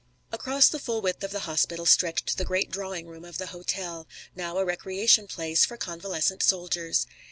Across the full width of the hospital stretched the great drawing room of the hotel, now a recreation place for convalescent soldiers.